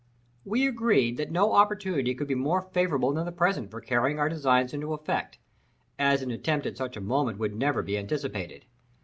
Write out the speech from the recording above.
We agreed that no opportunity could be more favourable than the present for carrying our designs into effect, as an attempt at such a moment would never be anticipated.